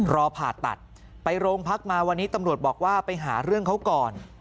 รอผ่าตัดไปโรงพักมาวันนี้ตำรวจบอกว่าไปหาเรื่องเขาก่อน